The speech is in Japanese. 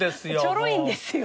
ちょろいんですよ